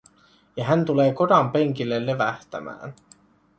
Ja hän tulee kodan penkille levähtämään.